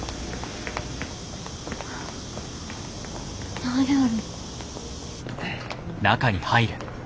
何やろ。